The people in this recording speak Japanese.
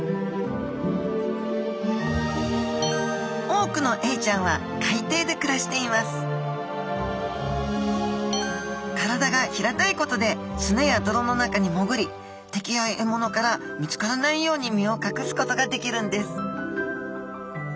多くのエイちゃんは海底で暮らしています体が平たいことで砂や泥の中に潜り敵や獲物から見つからないように身を隠すことができるんです